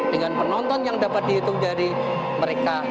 dengan penonton yang dapat dihitung dari mereka